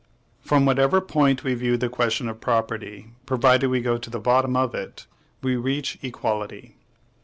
From whatever point we view this question of property provided we go to the bottom of it we reach equality.